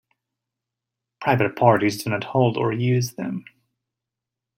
Private parties do not hold or use them.